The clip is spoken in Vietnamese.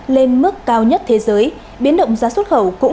lên mức cao nhất